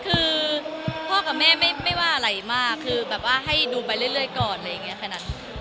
คือพ่อกลับแม่ไม่ว่าอะไรมากที่แบบว่าให้ดูไปเรื่อยก่อน